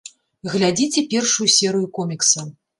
Глядзіце першую серыю комікса.